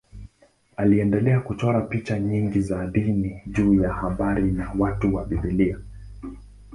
Aliendelea kuchora picha nyingi za dini juu ya habari na watu wa Biblia.